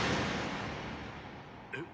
えっ？